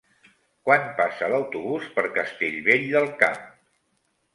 Quan passa l'autobús per Castellvell del Camp?